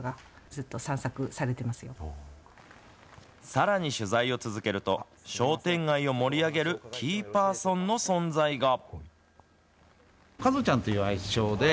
さらに取材を続けると、商店街を盛り上げるキーパーソンの存在が。